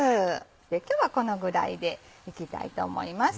今日はこのぐらいでいきたいと思います。